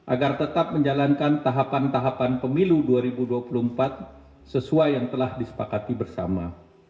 agar tetap menjalankan tahapan tahapan pemilu dua ribu dua puluh empat sesuai yang telah disepakati bersama